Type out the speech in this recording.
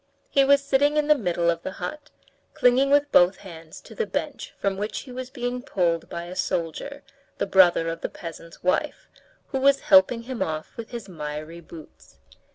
He was sitting in the middle of the hut, clinging with both hands to the bench from which he was being pulled by a soldier, the brother of the peasant's wife, who was helping him off with his miry boots.